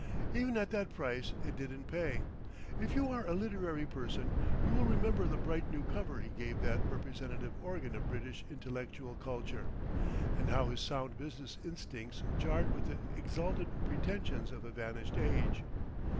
Even at that price it didn't pay. If you are a literary person you will remember the bright new cover he gave that representative organ of British intellectual culture, and how his sound business instincts jarred with the exalted pretensions of a vanishing age.